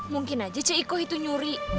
mungkin aja ce iko itu nyuri